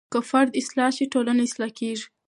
که فرد اصلاح شي ټولنه اصلاح کیږي.